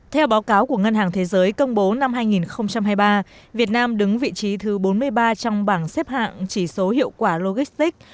theo báo cáo của ngân hàng thế giới công bố năm hai nghìn hai mươi ba việt nam đứng vị trí thứ bốn mươi ba trong bảng xếp hạng chỉ số hiệu quả logistics